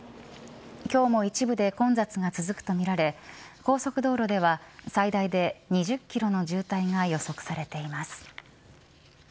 今日も一部で混雑が続くとみられ高速道路では最大で２０キロの渋滞が予測されています。